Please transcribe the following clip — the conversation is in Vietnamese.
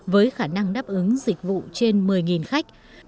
với khả năng đáp ứng dịch vụ trên một mươi khách